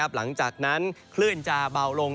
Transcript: หลังจากนั้นคลื่นจะเบาลง